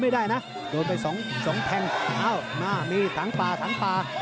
ไม่ได้นะโดนไปสองแทงเอ้ามามีถังปลาถังปลา